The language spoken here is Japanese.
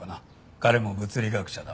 彼も物理学者だ。